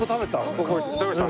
ここ食べました？